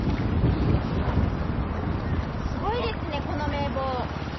すごいですねこの名簿。